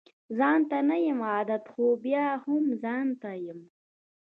ځانته نه يم عادت خو بيا هم ځانته يم